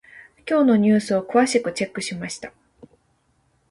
今日のニュースを詳しくチェックしました。